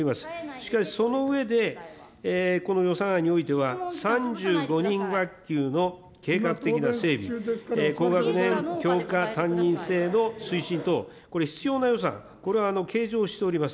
しかし、その上で、この予算案においては、３５人学級の計画的な整備、高学年教科担任制の推進等、これ必要な予算、これは計上しております。